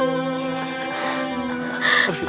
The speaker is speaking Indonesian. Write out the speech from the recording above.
aku sudah berhenti